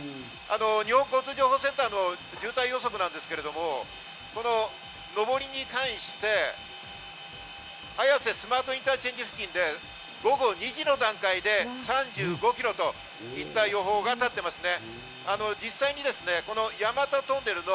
日本道路交通情報センターの渋滞予測なんですけど、上りに関して綾瀬スマートインターチェンジ付近で午後２時の段階で３５キロといった予報が立ってますね。